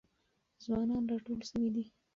ځوانان راټول سوي دي.